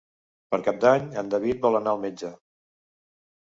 Per Cap d'Any en David vol anar al metge.